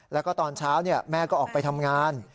แล้วก็ตอนเช้าแม่ก็ออกไปทำงาน